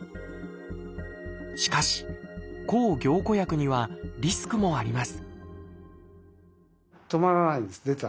しかし抗凝固薬にはリスクもあります